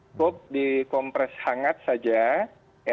cukup dikompres hangat saja ya